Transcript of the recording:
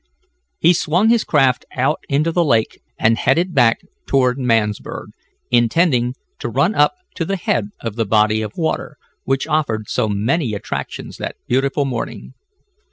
He swung his craft out into the lake, and headed back toward Mansburg, intending to run up to the head of the body of water, which offered so many attractions that beautiful morning.